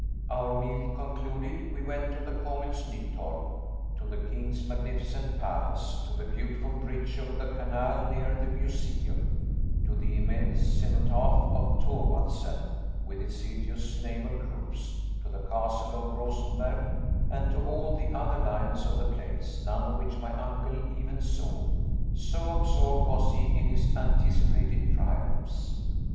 Our meal concluded, we went to the Kongens Nye Torw; to the king's magnificent palace; to the beautiful bridge over the canal near the Museum; to the immense cenotaph of Thorwaldsen with its hideous naval groups; to the castle of Rosenberg; and to all the other lions of the place none of which my uncle even saw, so absorbed was he in his anticipated triumphs.